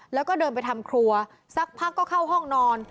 แล้วก็เดินไปทำครัวสักพักก็เข้าห้องนอน